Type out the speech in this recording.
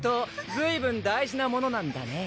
ずいぶん大事なものなんだね